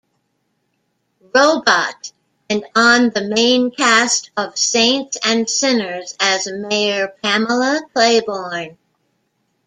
Robot" and on the main cast of "Saints and Sinners" as Mayor Pamela Clayborne.